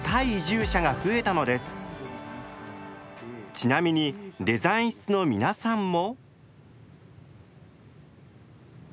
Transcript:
ちなみにデザイン室の皆さんも。